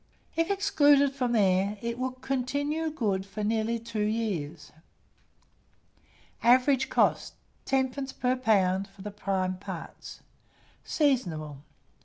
If excluded from the air, it will continue good for nearly 2 years. Average cost, 10d. per lb. for the prime parts. Seasonable.